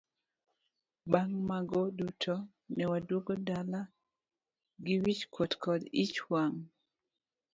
Bang' mag duto ne waduogo dala gi wich kuot kod ich wang'.